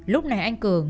lúc này anh cường